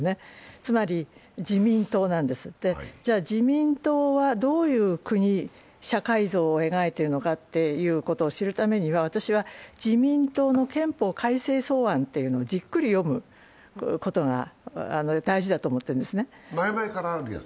つまり自民党なんです、じゃあ、自民党はどういう国、社会像を描いているのかを知るためには、私は自民党の憲法改正草案をじっくり読むことが大事だと思っているんですね。